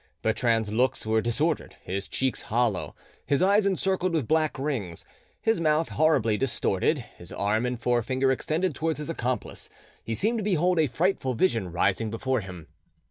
Bertrand's looks were disordered, his cheeks hollow, his eyes encircled with black rings, his mouth horribly distorted; his arm and forefinger extended towards his accomplice, he seemed to behold a frightful vision rising before him.